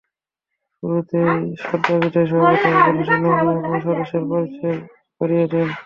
শুরুতে সদ্যবিদায়ী সভাপতি আবুল হোসেন নবনির্বাচিত কমিটির সদস্যদের পরিচয় করিয়ে দেন।